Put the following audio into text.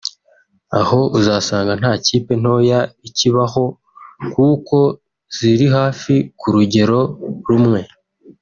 aho usanga nta kipe ntoya ikibaho kuko ziri hafi ku rugero rumwe